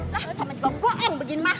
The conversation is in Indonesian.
lah sama juga gue yang begini mah